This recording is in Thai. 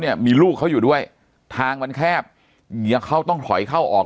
เนี่ยมีลูกเขาอยู่ด้วยทางมันแคบเมียเขาต้องถอยเข้าออก